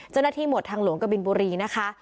เจ้าหน้าที่หมดทางหลวงกบิลบุรีนะคะ